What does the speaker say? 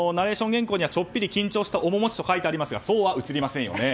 原稿にはちょっぴり緊張した面持ちと書いてありますがそうは映りませんよね。